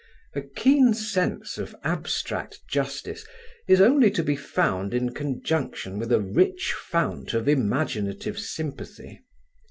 A keen sense of abstract justice is only to be found in conjunction with a rich fount of imaginative sympathy.